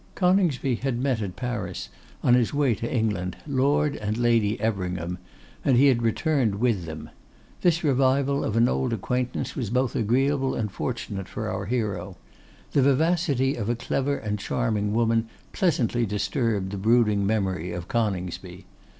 Coningsby had met at Paris, on his way to England, Lord and Lady Everingham, and he had returned with them. This revival of an old acquaintance was both agreeable and fortunate for our hero. The vivacity of a clever and charming woman pleasantly disturbed the brooding memory of Coningsby.